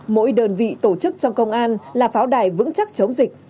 mỗi đơn vị tổ chức trong công an là pháo đài vững chắc chống dịch